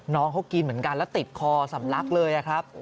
น้องเขากินเหมือนกันแล้วติดคอสำลักเลยครับ